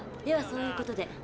ではそういうことで。